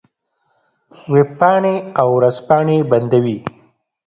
وېبپاڼې او ورځپاڼې بندوي.